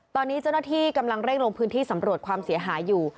ตอนนี้เจ้าหน้าที่กำลังเร่งลงพื้นที่สำรวจความเสียหายอยู่